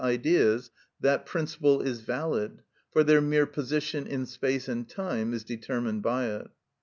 _, ideas, that principle is valid, for their mere position in space and time is determined by it.